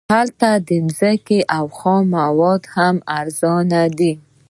هلته ځمکې او خام مواد هم ارزانه دي